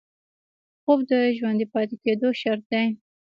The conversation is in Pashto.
خوب د ژوندي پاتې کېدو شرط دی